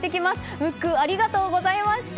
ムック、ありがとうございました。